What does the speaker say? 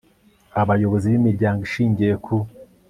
abayobozi b imiryango ishingiye ku